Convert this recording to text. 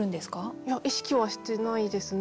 いや意識はしてないですね。